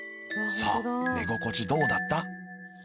さあ寝心地どうだった？